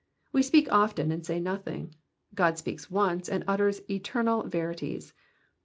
We speak often and say nothing ; God speaks once and utters eternal verities.